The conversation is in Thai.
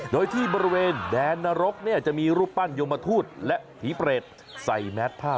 โดยที่บริเวณแดนนรกจะมีรูปปั้นยมทูตและผีเปรตใส่แมสผ้า